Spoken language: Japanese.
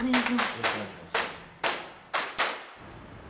よろしくお願いします。